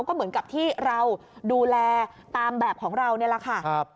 ก็เหมือนกับที่เราดูแลตามแบบของเรานี่แหละค่ะ